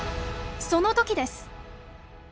その時です！